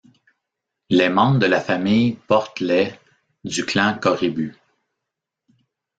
Les membres de la famille portent les du clan Korybut.